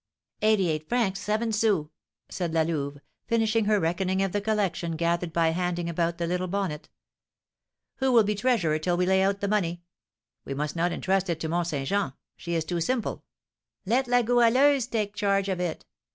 "Eighty eight francs seven sous!" said La Louve, finishing her reckoning of the collection gathered by handing about the little bonnet. "Who will be treasurer till we lay out the money? We must not entrust it to Mont Saint Jean, she is too simple." "Let La Goualeuse take charge of it!"